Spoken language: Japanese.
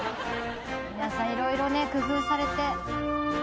皆さんいろいろね工夫されて。